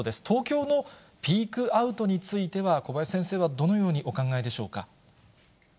東京のピークアウトについては、小林先生はどのようにお考えでしょうか。